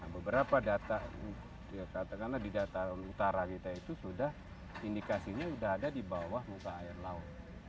beberapa data ya katakanlah di dataran utara kita itu sudah indikasinya sudah ada di bawah muka air laut